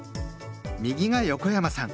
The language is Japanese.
右が横山さん